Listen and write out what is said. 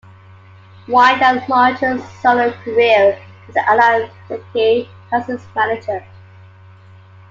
Wynne then launched a solo career with Alan Thicke as his manager.